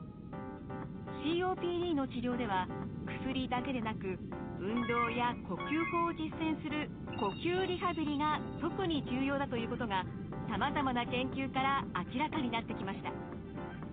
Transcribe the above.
ＣＯＰＤの治療では薬だけでなく運動や呼吸法を実践する呼吸リハビリが特に重要だということがさまざまな研究から明らかになってきました。